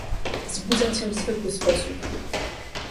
"Zbudzę cię w zwykły sposób."